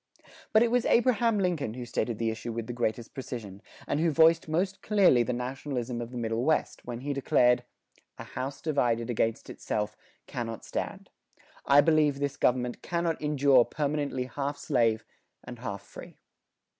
But it was Abraham Lincoln who stated the issue with the greatest precision, and who voiced most clearly the nationalism of the Middle West, when he declared, "A house divided against itself cannot stand. I believe this government cannot endure permanently half slave and half free."